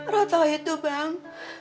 rok tahu itu bang